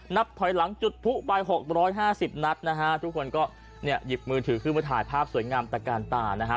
นับถอยหลังจุดผู้ไปหกร้อยห้าสิบนัดนะฮะทุกคนก็เนี่ยหยิบมือถือขึ้นมาถ่ายภาพสวยงามตะกานตานะฮะ